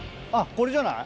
これじゃない？